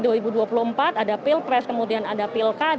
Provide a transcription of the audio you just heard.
ada pilkres kemudian ada pilkada dan inilah yang kemudian menjadi langkah